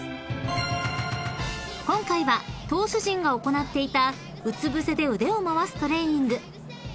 ［今回は投手陣が行っていたうつぶせで腕を回すトレーニング］